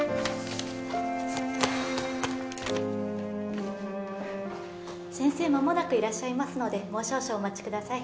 僕は先生まもなくいらっしゃいますのでもう少々お待ちください